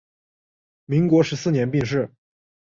民国十四年病逝。